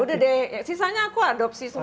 udah deh sisanya aku adopsi semua